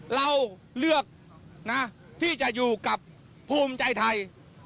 เราเลือกนะที่จะอยู่กับภูมิใจไทย